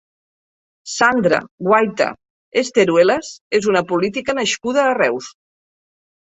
Sandra Guaita Esteruelas és una política nascuda a Reus.